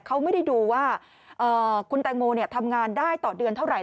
เขาไม่ได้ดูว่าคุณแตงโมทำงานได้ต่อเดือนเท่าไห